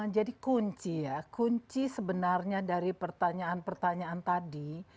jadi kunci ya kunci sebenarnya dari pertanyaan pertanyaan tadi